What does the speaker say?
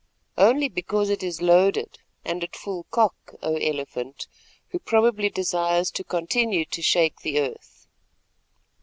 "Only because it is loaded, and at full cock, O Elephant, who probably desires to continue to shake the Earth."